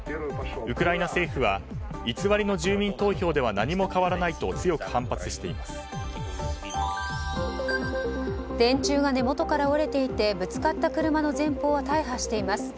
ウクライナ政府は偽りの住民投票では何も変わらないと電柱が根元から折れていてぶつかった車の前方は大破しています。